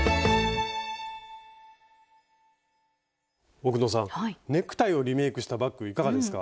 奥野さんネクタイをリメイクしたバッグいかがですか？